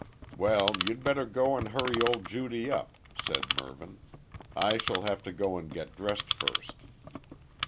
"Well, you'd better go and hurry old Judy up," said Mervyn. "I shall have to go and get dressed first."